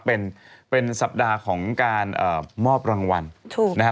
เป็นสัปดาห์ของการมอบรางวัลถูกนะครับ